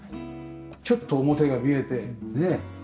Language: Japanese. ちょっと表が見えてねえ。